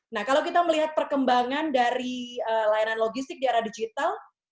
nah kalau kita melihat perkembangan dari layanan logistik di era digital